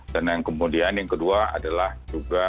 dan yang kemudian yang kedua adalah juga